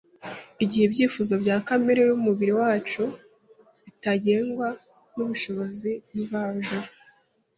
Igihe ibyifuzo bya kamere y’umubiri wacu bitagengwa n’ubushobozi mvajuru